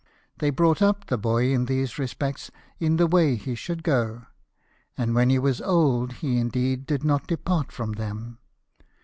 They brought up the boy in these respects in the way he should go ; and when he was old he indeed did not depart from them.